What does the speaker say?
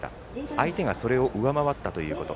相手がそれを上回ったということ。